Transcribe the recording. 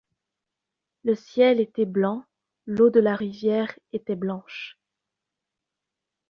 Le ciel était blanc, l’eau de la rivière était blanche.